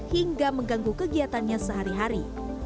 hingga mengganggu kegiatannya sehari hari